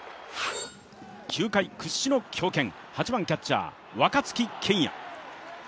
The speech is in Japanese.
球界屈指の強肩８番キャッチャー・若月健矢。